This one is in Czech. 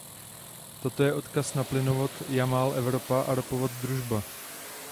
Toto je odkaz na plynovod Jamal-Evropa a ropovod Družba.